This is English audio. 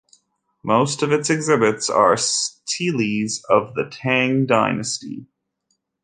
Most of its exhibits are steles of the Tang Dynasty.